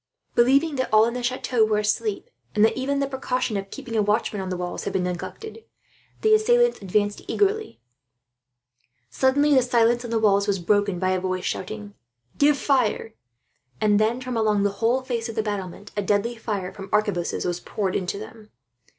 Believing that all in the chateau were asleep, and that even the precaution of keeping a watchman on the walls had been neglected, the assailants advanced eagerly. Suddenly, the silence on the walls was broken by a voice shouting, "Give fire!" And then, from along the whole face of the battlements, deadly fire from arquebuses was poured into them.